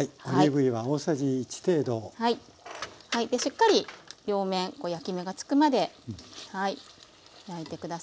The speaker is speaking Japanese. しっかり両面焼き目がつくまで焼いて下さい。